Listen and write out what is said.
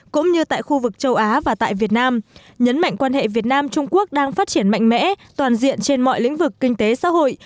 cũng như tại khu vực châu á và tại việt nam nhấn mạnh quan hệ việt nam trung quốc đang phát triển mạnh mẽ toàn diện trên mọi lĩnh vực kinh tế xã hội